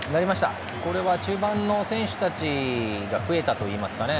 これは中盤の選手たちが増えたといいますかね。